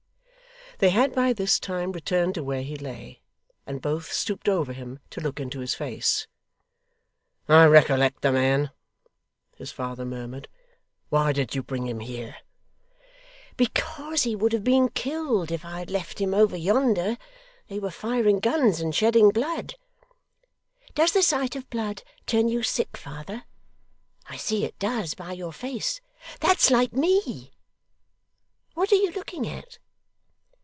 They had by this time returned to where he lay, and both stooped over him to look into his face. 'I recollect the man,' his father murmured. 'Why did you bring him here?' 'Because he would have been killed if I had left him over yonder. They were firing guns and shedding blood. Does the sight of blood turn you sick, father? I see it does, by your face. That's like me What are you looking at?